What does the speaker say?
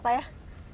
favoritnya apa pak